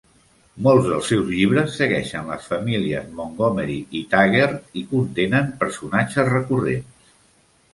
Molts dels seus llibres segueixen les famílies Montgomery i Taggert i contenen personatges recurrents.